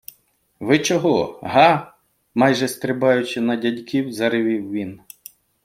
- Ви чого?! Га?! - майже стрибаючи на дядьків, заревів він.